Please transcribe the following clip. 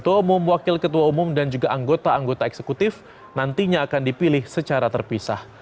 ketua umum wakil ketua umum dan juga anggota komite eksekutif akan ditutup besok enam belas waktu indonesia barat